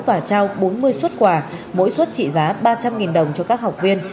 và trao bốn mươi suất quà mỗi xuất trị giá ba trăm linh đồng cho các học viên